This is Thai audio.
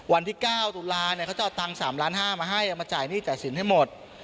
วันที่๙ตุลาเนี่ยเขาจะเอาตังค์๓ล้าน๕มาให้เอามาจ่ายหนี้จ่ายสินให้หมด